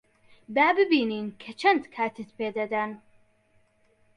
با ببینین کە چەند کاتت پێ دەدەن.